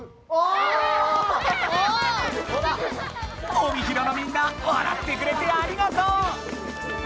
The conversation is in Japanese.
帯広のみんなわらってくれてありがとう！